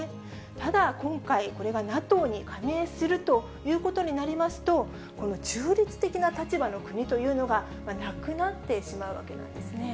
ただ今回、これがＮＡＴＯに加盟するということになりますと、中立的な立場の国というのが、なくなってしまうわけなんですね。